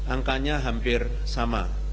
angkanya hampir sama